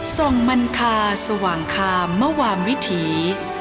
ส่งมันคาสว่างคามมวามวิถี